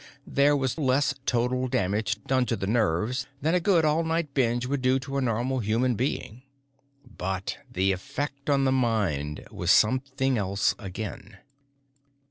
There was less total damage done to the nerves than a good all night binge would do to a normal human being. But the effect on the mind was something else again.